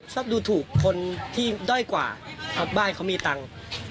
ดูถูกคนที่ด้อยกว่าครับบ้านเขามีตังค์